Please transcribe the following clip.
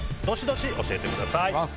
どしどし教えてください！